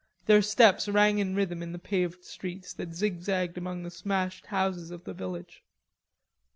Their steps rang in rhythm in the paved street that zigzagged among the smashed houses of the village.